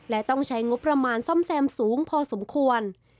และต้องใช้งบประมาณซ่อมแซมสูงพอสมควร